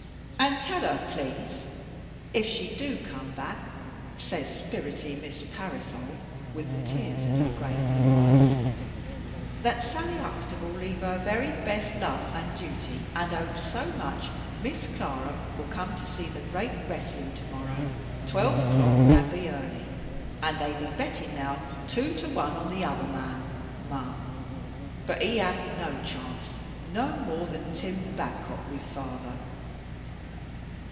'And tell her please, if she do come back,' says spirity Miss Parrysole, with the tears in her great blue eyes, 'that Sally Huxtable leave her very best love and duty, and hope so much Miss Clara will come to see the great wrestling to morrow, twelve o'clock, and be early. And they be betting now two to one on the other man, ma'am. But he have no chance, no more than Tim Badcock with father.